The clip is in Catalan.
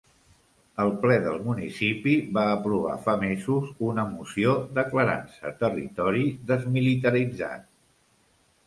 El ple del municipi va aprovar fa mesos una moció declarant-se “territori desmilitaritzat”.